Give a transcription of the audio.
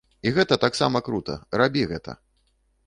І гэта таксама крута, рабі гэта!